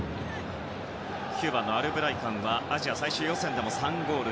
９番のアルブライカンはアジア最終予選でも３ゴール。